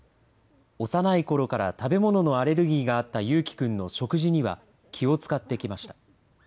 幼いころから食べ物のアレルギーがあったゆうきくんの食事には気を遣ってきました。